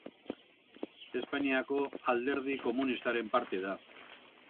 Espainiako Alderdi Komunistaren parte da.